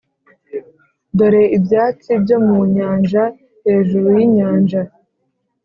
dore, ibyatsi byo mu nyanja hejuru yinyanja,